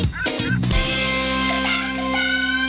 ข้อมูลล่ะ